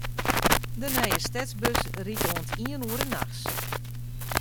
De nije stedsbus rydt oant iene oere nachts.